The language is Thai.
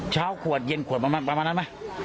เช้าขวดเย็นขวดประมาณนั้นไหม